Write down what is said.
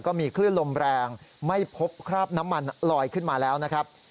ก็มีคลื่นลมแรงไม่พบคราบน้ำมันลอยขึ้นมาแล้วนะครับ